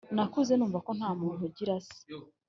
nakuze numva ko ntamuntu ugira se